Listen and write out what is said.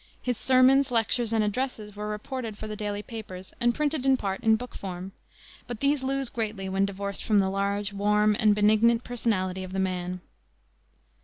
His sermons, lectures, and addresses were reported for the daily papers and printed in part in book form; but these lose greatly when divorced from the large, warm, and benignant personality of the man.